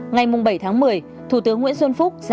ngày bảy tháng một mươi thủ tướng nguyễn xuân phúc